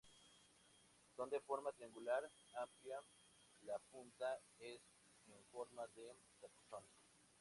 Son de forma triangular amplia, la punta es en forma de capuchón.